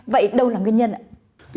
vậy đâu là nguyên nhân ạ